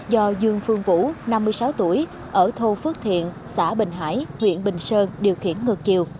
do dương phương vũ năm mươi sáu tuổi ở thôn phước thiện xã bình hải huyện bình sơn điều khiển ngược chiều